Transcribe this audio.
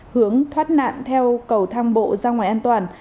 hướng thoát nạn theo cầu thang bộ ra ngoài an toàn